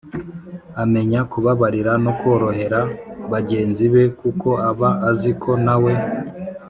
amenya kubabarira no korohera bagenzi be kuko aba azi ko na we